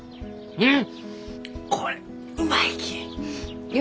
うん！